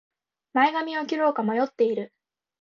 前髪を切ろうか迷っている